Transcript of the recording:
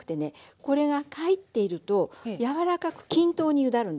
これが入っていると柔らかく均等にゆだるんですね。